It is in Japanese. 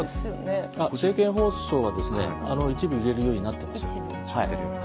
政見放送は一部入れるようになっています。